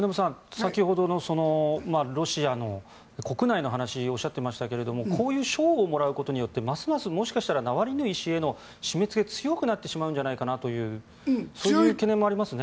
先ほどのロシアの国内の話おっしゃっていましたがこういう賞をもらうことでますます、もしかしたらナワリヌイ氏への締め付けが強くなってしまうんじゃないかという懸念もありますね。